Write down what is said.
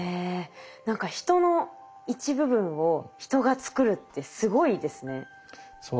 何か人の一部分を人が作るってすごいですね。